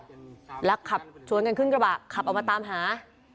ถึงหลักขับเลยชวนกันแล้วเขาค้นกระบะขับเอามาตามหา